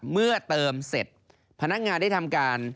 เมื่อเติมเสร็จพนักงานได้ทำการ